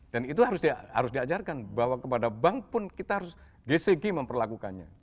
dan itu harus diajarkan bahwa kepada bank pun kita harus gcg memperlakukannya